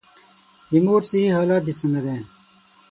د مور صحي حالت دي څنګه دی؟